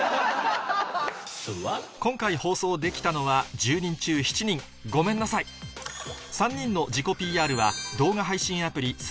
今回放送できたのは１０人中７人ごめんなさい３人の自己 ＰＲ は